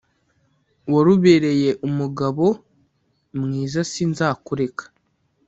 warubereye umugab o mwiza sinzakureka